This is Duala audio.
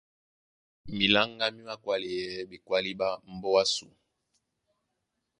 Miláŋgá mí mākwáleyɛɛ́ ɓekwálí ɓá mbóa ásū.